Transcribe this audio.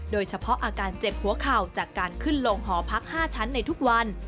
โดยเฉพาะอาการเจ็บหัวเข่าจากการขึ้นลงหอพัก๕ชั้นในทุกวัน